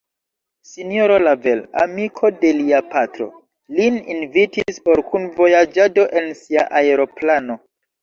S-ro Lavel, amiko de lia patro, lin invitis por kunvojaĝado en sia aeroplano.